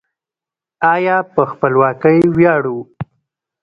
آیا په خپلواکۍ ویاړو؟